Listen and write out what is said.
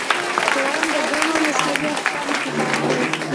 قران د ګڼو مذهبي احکامو کتاب دی.